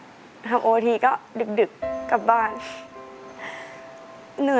ทำโอทีก็ดึกกลับบ้าน